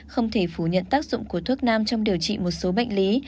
không thể phủ nhận tác dụng của thuốc nam trong điều trị một số bệnh lý